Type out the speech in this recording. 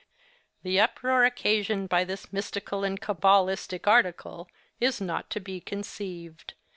The uproar occasioned by this mystical and cabalistical article, is not to be conceived.